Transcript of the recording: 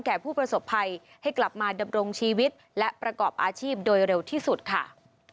ผู้ประสบภัยให้กลับมาดำรงชีวิตและประกอบอาชีพโดยเร็วที่สุดค่ะ